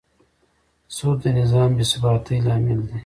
سود د نظام بېثباتي لامل دی.